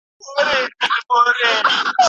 د تعلیم لپاره ټولنیز ملاتړ اړین دی.